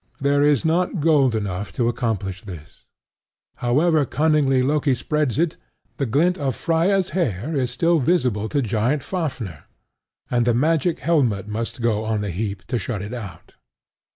There is not gold enough to accomplish this: however cunningly Loki spreads it, the glint of Freia's hair is still visible to Giant Fafnir, and the magic helmet must go on the heap to shut it out.